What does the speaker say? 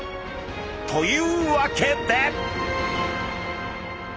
というわけで！